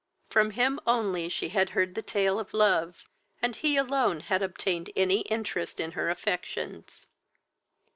From him only she had heard the tale of love, and he alone had obtained any interest in her affections.